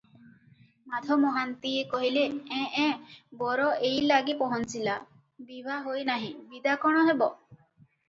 ମାଧ ମହାନ୍ତିଏ କହିଲେ, "ଏଁ ଏଁ- ବର ଏଇଲାଗେ ପହଞ୍ଚିଲା, ବିଭା ହୋଇ ନାହିଁ, ବିଦା କଣ ହେବ?"